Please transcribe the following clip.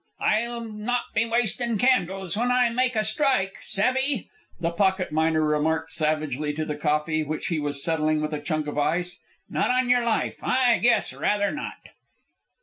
"I'll not be wastin' candles when I make a strike, savve!" the pocket miner remarked savagely to the coffee, which he was settling with a chunk of ice. "Not on your life, I guess rather not!"